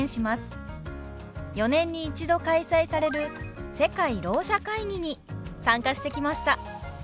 ４年に一度開催される世界ろう者会議に参加してきました。